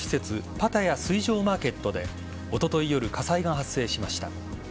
パタヤ水上マーケットでおととい夜火災が発生しました。